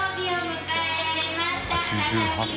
８８歳。